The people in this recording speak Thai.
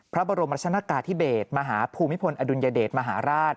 พระบรมรัชนกาธิเบศมหาภูมิพลอดุลยเดชมหาราช